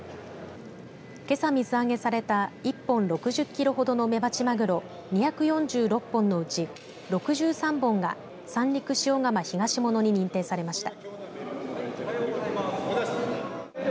けさ、水揚げされた１本６０キロほどのメバチマグロ２４６本のうち６３本が、三陸塩竈ひがしものに認定されました。